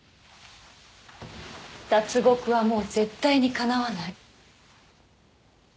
脱獄はもう絶対にかなわない。